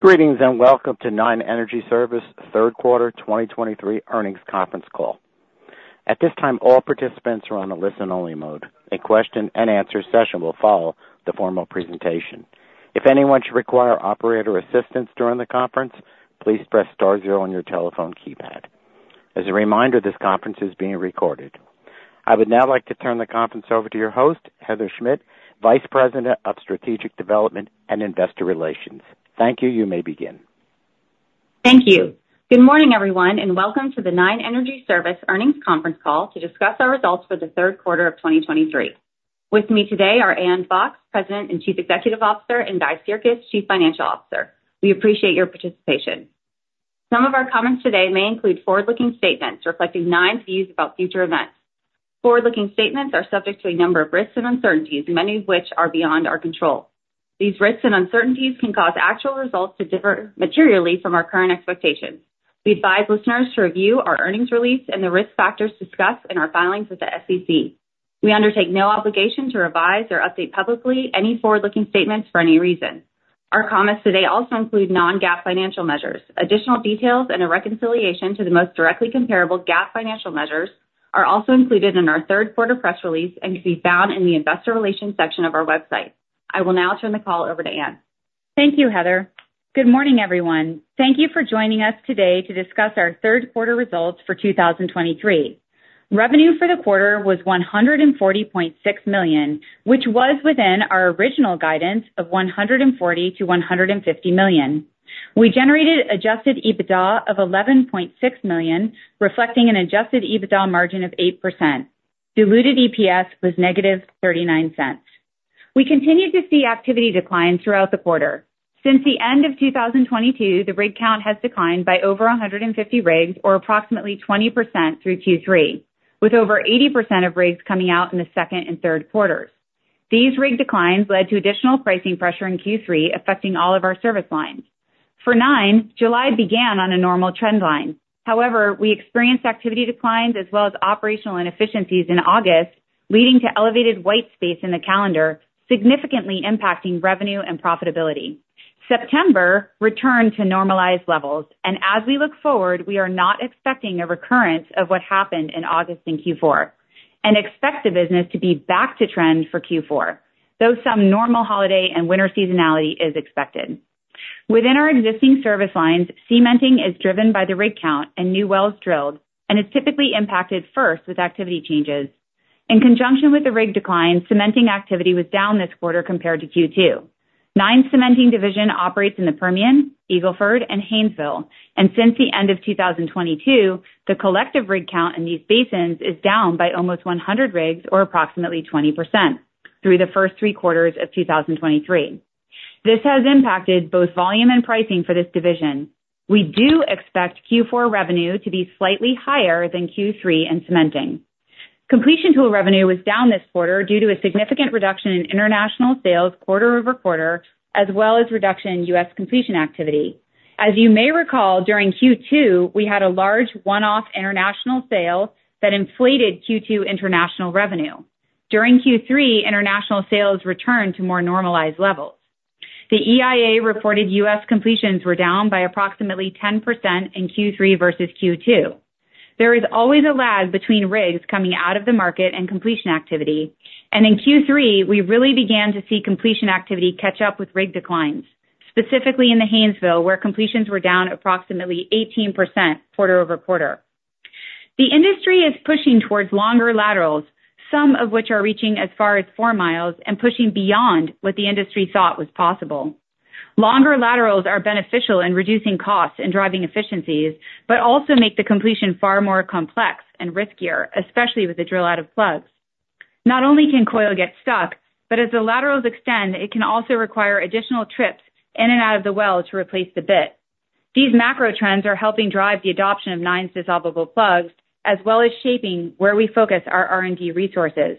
Greetings, and welcome to Nine Energy Service third quarter 2023 earnings conference call. At this time, all participants are on a listen-only mode. A question and answer session will follow the formal presentation. If anyone should require operator assistance during the conference, please press star zero on your telephone keypad. As a reminder, this conference is being recorded. I would now like to turn the conference over to your host, Heather Schmidt, Vice President of Strategic Development and Investor Relations. Thank you. You may begin. Thank you. Good morning, everyone, and welcome to the Nine Energy Service earnings conference call to discuss our results for the third quarter of 2023. With me today are Ann Fox, President and Chief Executive Officer, and Guy Sirkes, Chief Financial Officer. We appreciate your participation. Some of our comments today may include forward-looking statements reflecting Nine's views about future events. Forward-looking statements are subject to a number of risks and uncertainties, many of which are beyond our control. These risks and uncertainties can cause actual results to differ materially from our current expectations. We advise listeners to review our earnings release and the risk factors discussed in our filings with the SEC. We undertake no obligation to revise or update publicly any forward-looking statements for any reason. Our comments today also include non-GAAP financial measures. Additional details and a reconciliation to the most directly comparable GAAP financial measures are also included in our third quarter press release and can be found in the investor relations section of our website. I will now turn the call over to Ann. Thank you, Heather. Good morning, everyone. Thank you for joining us today to discuss our third quarter results for 2023. Revenue for the quarter was $140.6 million, which was within our original guidance of $140 million-$150 million. We generated Adjusted EBITDA of $11.6 million, reflecting an Adjusted EBITDA margin of 8%. Diluted EPS was -$0.39. We continued to see activity declines throughout the quarter. Since the end of 2022, the rig count has declined by over 150 rigs, or approximately 20% through Q3, with over 80% of rigs coming out in the second and third quarters. These rig declines led to additional pricing pressure in Q3, affecting all of our service lines. For Nine, July began on a normal trend line. However, we experienced activity declines as well as operational inefficiencies in August, leading to elevated white space in the calendar, significantly impacting revenue and profitability. September returned to normalized levels, and as we look forward, we are not expecting a recurrence of what happened in August and Q4 and expect the business to be back to trend for Q4, though some normal holiday and winter seasonality is expected. Within our existing service lines, cementing is driven by the rig count and new wells drilled and is typically impacted first with activity changes. In conjunction with the rig decline, cementing activity was down this quarter compared to Q2. Nine's cementing division operates in the Permian, Eagle Ford, and Haynesville, and since the end of 2022, the collective rig count in these basins is down by almost 100 rigs, or approximately 20%, through the first three quarters of 2023. This has impacted both volume and pricing for this division. We do expect Q4 revenue to be slightly higher than Q3 in cementing. Completion tool revenue was down this quarter due to a significant reduction in international sales quarter over quarter, as well as reduction in U.S. completion activity. As you may recall, during Q2, we had a large one-off international sale that inflated Q2 international revenue. During Q3, international sales returned to more normalized levels. The EIA reported U.S. completions were down by approximately 10% in Q3 versus Q2. There is always a lag between rigs coming out of the market and completion activity, and in Q3, we really began to see completion activity catch up with rig declines, specifically in the Haynesville, where completions were down approximately 18% quarter-over-quarter. The industry is pushing towards longer laterals, some of which are reaching as far as 4 miles and pushing beyond what the industry thought was possible. Longer laterals are beneficial in reducing costs and driving efficiencies, but also make the completion far more complex and riskier, especially with the drill out of plugs. Not only can coil get stuck, but as the laterals extend, it can also require additional trips in and out of the well to replace the bit. These macro trends are helping drive the adoption of Nine's dissolvable plugs, as well as shaping where we focus our R&D resources.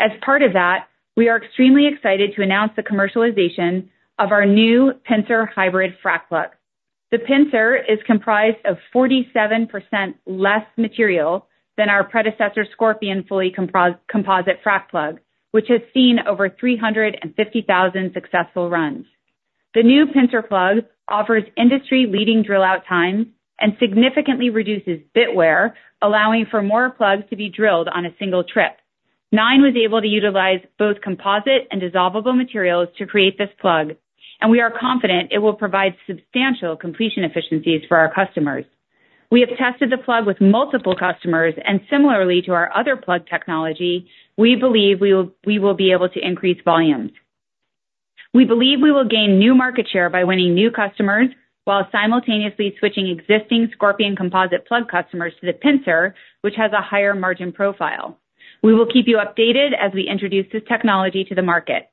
As part of that, we are extremely excited to announce the commercialization of our new Pincer hybrid frac plug. The Pincer is comprised of 47% less material than our predecessor, Scorpion fully composite frac plug, which has seen over 350,000 successful runs. The new Pincer plug offers industry-leading drill-out times and significantly reduces bit wear, allowing for more plugs to be drilled on a single trip. Nine was able to utilize both composite and dissolvable materials to create this plug, and we are confident it will provide substantial completion efficiencies for our customers. We have tested the plug with multiple customers, and similarly to our other plug technology, we believe we will be able to increase volumes. We believe we will gain new market share by winning new customers while simultaneously switching existing Scorpion composite plug customers to the Pincer, which has a higher margin profile. We will keep you updated as we introduce this technology to the market.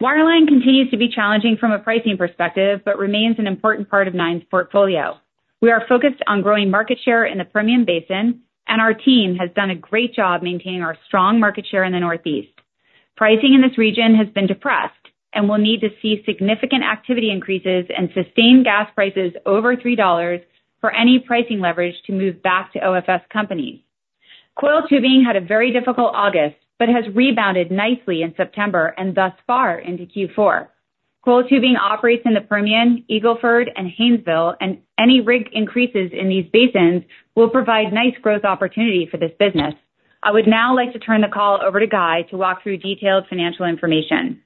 Wireline continues to be challenging from a pricing perspective, but remains an important part of Nine's portfolio. We are focused on growing market share in the Permian Basin, and our team has done a great job maintaining our strong market share in the Northeast. Pricing in this region has been depressed, and we'll need to see significant activity increases and sustained gas prices over $3 for any pricing leverage to move back to OFS companies. Coiled tubing had a very difficult August, but has rebounded nicely in September and thus far into Q4. Coiled tubing operates in the Permian, Eagle Ford, and Haynesville, and any rig increases in these basins will provide nice growth opportunity for this business. I would now like to turn the call over to Guy to walk through detailed financial information.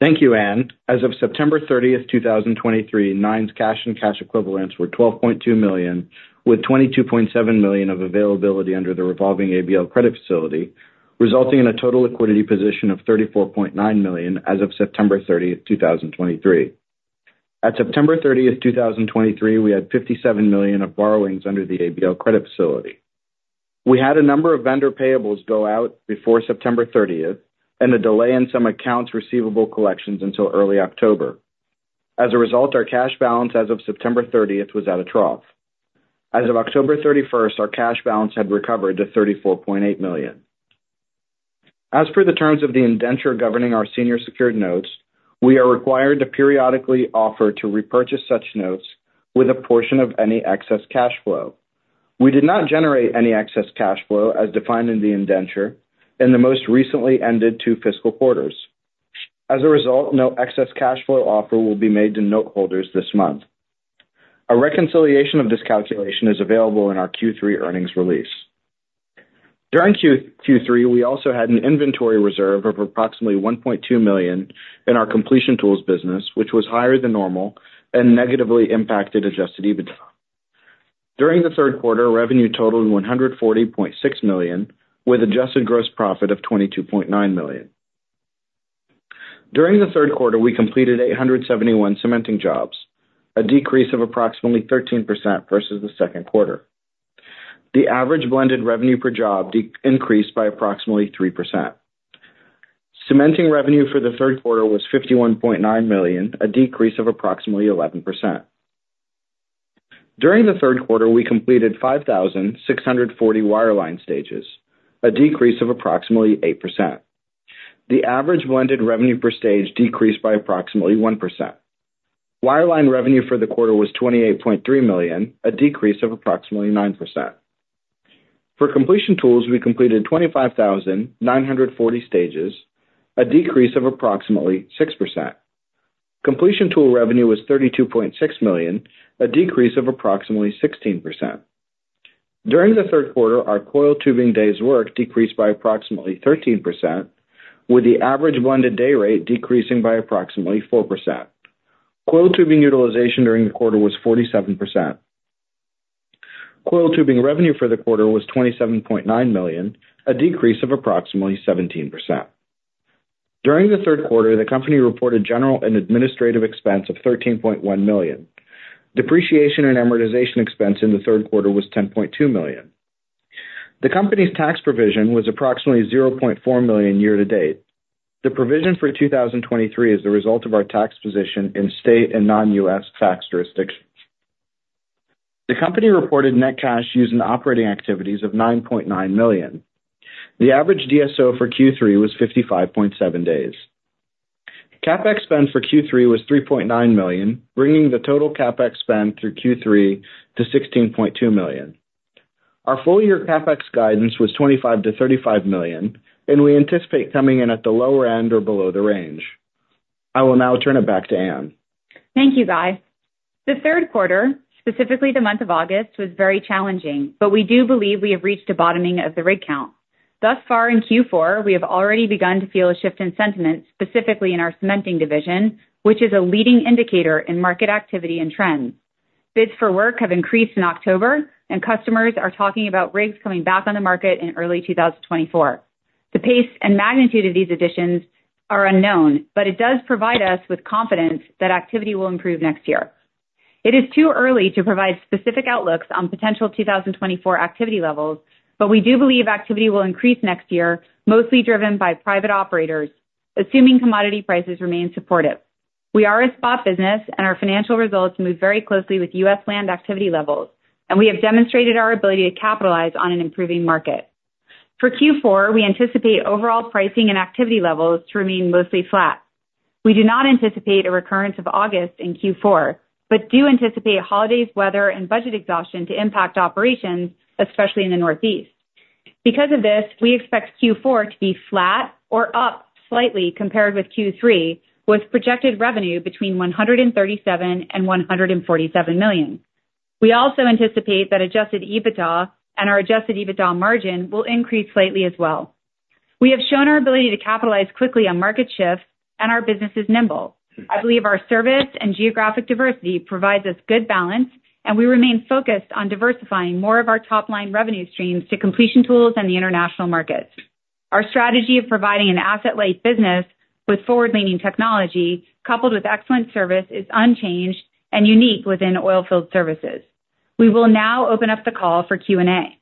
Thank you, Ann. As of September 30th, 2023, Nine's cash and cash equivalents were $12.2 million, with $22.7 million of availability under the revolving ABL credit facility, resulting in a total liquidity position of $34.9 million as of September 30th, 2023. At September 30th, 2023, we had $57 million of borrowings under the ABL credit facility. We had a number of vendor payables go out before September 30th and a delay in some accounts receivable collections until early October. As a result, our cash balance as of September 30th was at a trough. As of October 31st, our cash balance had recovered to $34.8 million. As per the terms of the indenture governing our senior secured notes, we are required to periodically offer to repurchase such notes with a portion of any excess cash flow. We did not generate any excess cash flow, as defined in the indenture, in the most recently ended two fiscal quarters. As a result, no excess cash flow offer will be made to noteholders this month. A reconciliation of this calculation is available in our Q3 earnings release. During Q3, we also had an inventory reserve of approximately $1.2 million in our Completion Tools business, which was higher than normal and negatively impacted Adjusted EBITDA. During the third quarter, revenue totaled $140.6 million, with adjusted gross profit of $22.9 million. During the third quarter, we completed 871 cementing jobs, a decrease of approximately 13% versus the second quarter. The average blended revenue per job increased by approximately 3%. Cementing revenue for the third quarter was $51.9 million, a decrease of approximately 11%. During the third quarter, we completed 5,640 wireline stages, a decrease of approximately 8%. The average blended revenue per stage decreased by approximately 1%. Wireline revenue for the quarter was $28.3 million, a decrease of approximately 9%. For completion tools, we completed 25,940 stages, a decrease of approximately 6%. Completion tool revenue was $32.6 million, a decrease of approximately 16%. During the third quarter, our coiled tubing days work decreased by approximately 13%, with the average blended day rate decreasing by approximately 4%. Coiled tubing utilization during the quarter was 47%. Coiled tubing revenue for the quarter was $27.9 million, a decrease of approximately 17%. During the third quarter, the company reported general and administrative expense of $13.1 million. Depreciation and amortization expense in the third quarter was $10.2 million. The company's tax provision was approximately $0.4 million year to date. The provision for 2023 is the result of our tax position in state and non-U.S. tax jurisdictions. The company reported net cash used in operating activities of $9.9 million. The average DSO for Q3 was 55.7 days. CapEx spend for Q3 was $3.9 million, bringing the total CapEx spend through Q3 to $16.2 million. Our full-year CapEx guidance was $25 million-$35 million, and we anticipate coming in at the lower end or below the range. I will now turn it back to Ann. Thank you, Guy. The third quarter, specifically the month of August, was very challenging, but we do believe we have reached a bottoming of the rig count. Thus far in Q4, we have already begun to feel a shift in sentiment, specifically in our cementing division, which is a leading indicator in market activity and trends. Bids for work have increased in October, and customers are talking about rigs coming back on the market in early 2024. The pace and magnitude of these additions are unknown, but it does provide us with confidence that activity will improve next year. It is too early to provide specific outlooks on potential 2024 activity levels, but we do believe activity will increase next year, mostly driven by private operators, assuming commodity prices remain supportive. We are a spot business, and our financial results move very closely with U.S. land activity levels, and we have demonstrated our ability to capitalize on an improving market. For Q4, we anticipate overall pricing and activity levels to remain mostly flat. We do not anticipate a recurrence of August in Q4, but do anticipate holidays, weather, and budget exhaustion to impact operations, especially in the Northeast. Because of this, we expect Q4 to be flat or up slightly compared with Q3, with projected revenue between $137 million and $147 million. We also anticipate that Adjusted EBITDA and our Adjusted EBITDA margin will increase slightly as well. We have shown our ability to capitalize quickly on market shifts, and our business is nimble. I believe our service and geographic diversity provides us good balance, and we remain focused on diversifying more of our top-line revenue streams to completion tools and the international markets. Our strategy of providing an asset-light business with forward-leaning technology, coupled with excellent service, is unchanged and unique within oil field services. We will now open up the call for Q&A.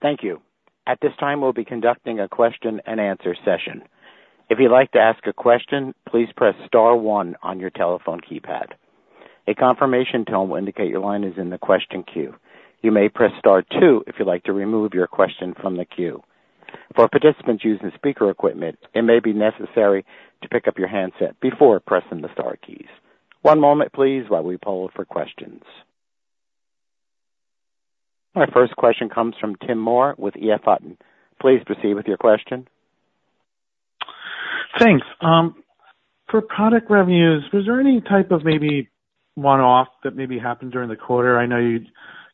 Thank you. At this time, we'll be conducting a question-and-answer session. If you'd like to ask a question, please press star one on your telephone keypad. A confirmation tone will indicate your line is in the question queue. You may press star two if you'd like to remove your question from the queue.... For participants using speaker equipment, it may be necessary to pick up your handset before pressing the star keys. One moment please, while we poll for questions. Our first question comes from Tim Moore with EF Hutton. Please proceed with your question. Thanks. For product revenues, was there any type of maybe one-off that maybe happened during the quarter? I know you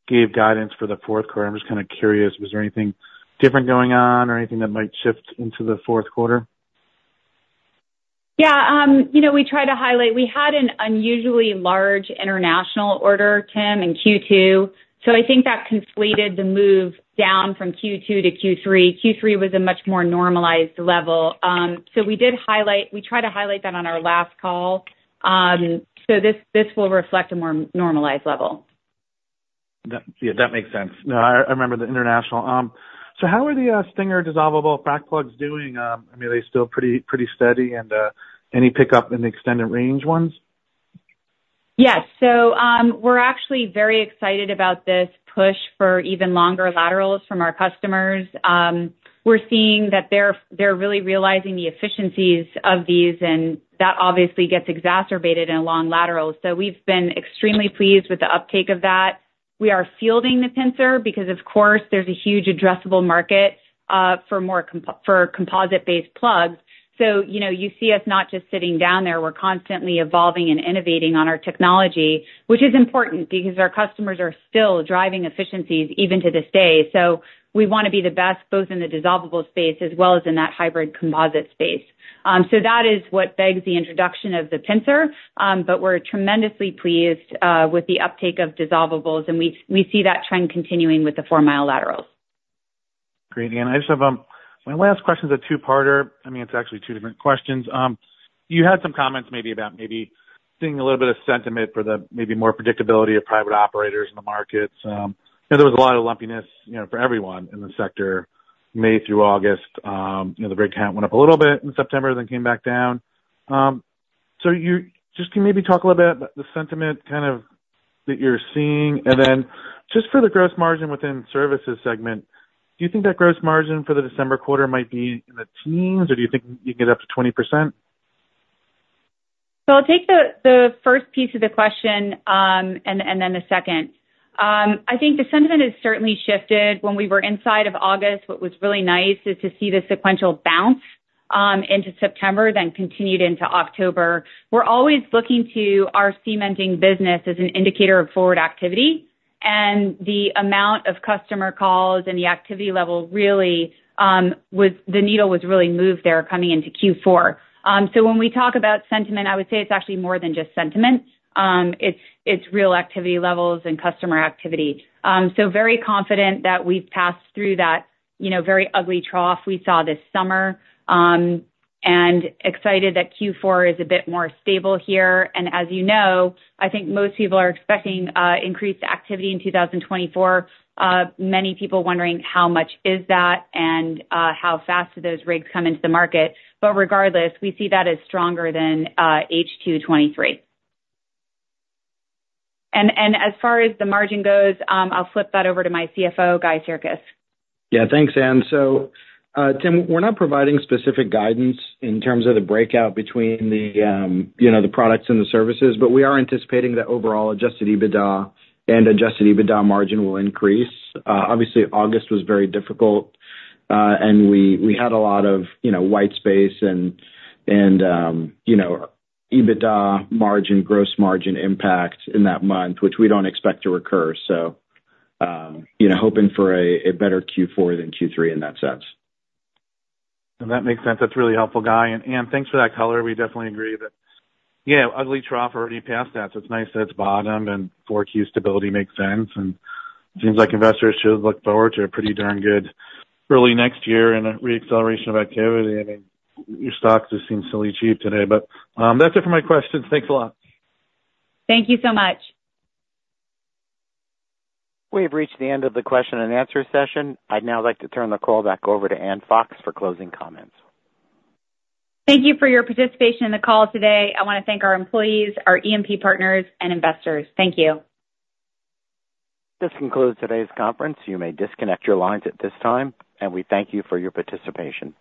gave guidance for the fourth quarter. I'm just kind of curious, was there anything different going on or anything that might shift into the fourth quarter? Yeah, you know, we try to highlight. We had an unusually large international order, Tim, in Q2, so I think that conflated the move down from Q2 to Q3. Q3 was a much more normalized level. So we did highlight. We tried to highlight that on our last call. So this, this will reflect a more normalized level. Yeah, that makes sense. No, I remember the international. So how are the Stinger dissolvable frac plugs doing? I mean, are they still pretty, pretty steady, and any pickup in the extended range ones? Yes. So, we're actually very excited about this push for even longer laterals from our customers. We're seeing that they're, they're really realizing the efficiencies of these, and that obviously gets exacerbated in long laterals. So we've been extremely pleased with the uptake of that. We are fielding the Pincer because, of course, there's a huge addressable market for more composite-based plugs. So, you know, you see us not just sitting down there. We're constantly evolving and innovating on our technology, which is important because our customers are still driving efficiencies even to this day. So we wanna be the best, both in the dissolvable space as well as in that hybrid composite space. So that is what begs the introduction of the Pincer. But we're tremendously pleased with the uptake of dissolvables, and we see that trend continuing with the 4-mile laterals. Great. Again, I just have my last question is a two-parter. I mean, it's actually two different questions. You had some comments maybe about maybe seeing a little bit of sentiment for the maybe more predictability of private operators in the markets. You know, there was a lot of lumpiness, you know, for everyone in the sector, May through August. You know, the rig count went up a little bit in September, then came back down. So you just can you maybe talk a little bit about the sentiment, kind of, that you're seeing? And then just for the gross margin within services segment, do you think that gross margin for the December quarter might be in the teens, or do you think you can get up to 20%? So I'll take the first piece of the question, and then the second. I think the sentiment has certainly shifted. When we were inside of August, what was really nice is to see the sequential bounce, into September, then continued into October. We're always looking to our cementing business as an indicator of forward activity, and the amount of customer calls and the activity level really, was, the needle was really moved there coming into Q4. So when we talk about sentiment, I would say it's actually more than just sentiment. It's, it's real activity levels and customer activity. So very confident that we've passed through that, you know, very ugly trough we saw this summer, and excited that Q4 is a bit more stable here. As you know, I think most people are expecting increased activity in 2024. Many people wondering how much is that and how fast do those rigs come into the market. But regardless, we see that as stronger than H2 2023. And as far as the margin goes, I'll flip that over to my CFO, Guy Sirkes. Yeah. Thanks, Ann. So, Tim, we're not providing specific guidance in terms of the breakout between the, you know, the products and the services, but we are anticipating that overall Adjusted EBITDA and Adjusted EBITDA margin will increase. Obviously, August was very difficult, and we had a lot of, you know, white space and, you know, EBITDA margin, gross margin impact in that month, which we don't expect to recur. So, you know, hoping for a better Q4 than Q3 in that sense. So that makes sense. That's really helpful, Guy, and, Ann, thanks for that color. We definitely agree that, yeah, ugly trough is already past that, so it's nice that it's bottomed and 4Q stability makes sense, and seems like investors should look forward to a pretty darn good early next year and a re-acceleration of activity. I mean, your stock just seems silly cheap today. But, that's it for my questions. Thanks a lot. Thank you so much. We have reached the end of the question and answer session. I'd now like to turn the call back over to Ann Fox for closing comments. Thank you for your participation in the call today. I want to thank our employees, our EP partners and investors. Thank you. This concludes today's conference. You may disconnect your lines at this time, and we thank you for your participation.